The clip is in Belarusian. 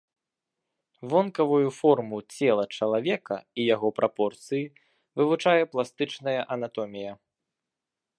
Вонкавую форму цела чалавека і яго прапорцыі вывучае пластычная анатомія.